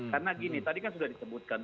karena gini tadi kan sudah disebutkan